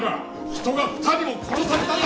人が２人も殺されたんだぞ！？